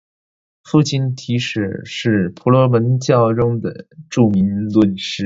父亲提舍是婆罗门教中著名论师。